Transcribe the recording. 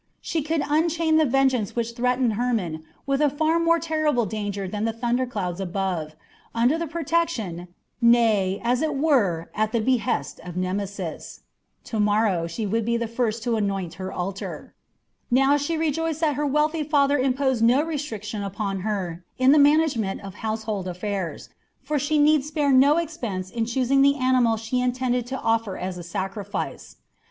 She could unchain the vengeance which threatened Hermon with a far more terrible danger than the thunder clouds above, under the protection nay, as it were at the behest of Nemesis. To morrow she would be the first to anoint her altar. Now she rejoiced that her wealthy father imposed no restriction upon her in the management of household affairs, for she need spare no expense in choosing the animal she intended to offer as a sacrifice.